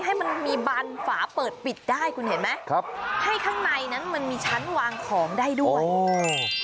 ให้มันมีบานฝาเปิดปิดได้คุณเห็นไหมครับให้ข้างในนั้นมันมีชั้นวางของได้ด้วยโอ้